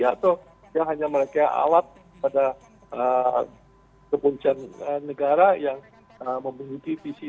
atau ya hanya mereka alat pada kepuncaan negara yang memiliki visi